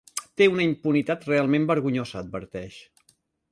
Té una impunitat realment vergonyosa, adverteix.